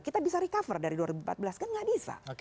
kita bisa recover dari dua ribu empat belas kan nggak bisa